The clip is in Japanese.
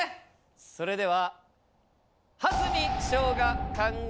それでは。